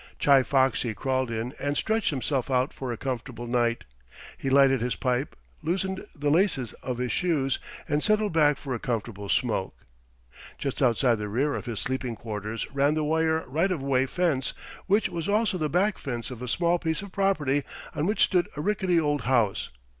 Chi Foxy crawled in and stretched himself out for a comfortable night. He lighted his pipe, loosened the laces of his shoes, and settled back for a comfortable smoke. Just outside the rear of his sleeping quarters ran the wire right of way fence, which was also the back fence of a small piece of property on which stood a rickety old house.